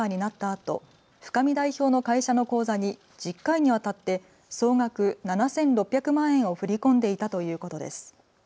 あと深見代表の会社の口座に１０回にわたって総額７６００万円を振り込んでいたということです。